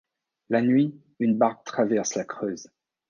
La nuit, une barque traverse la Creuse.